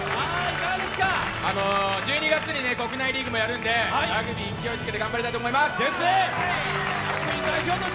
１２月に国内リーグもやるので、ラグビー勢いつけて頑張りたいと思います。